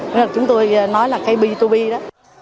nên là chúng tôi nói là cái b hai b đó